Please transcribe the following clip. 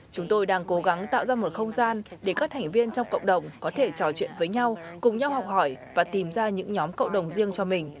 chúng tôi đang cố gắng tạo ra một không gian để các thành viên trong cộng đồng có thể trò chuyện với nhau cùng nhau học hỏi và tìm ra những nhóm cộng đồng riêng cho mình